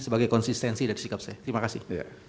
sebagai konsistensi dari sikap saya terima kasih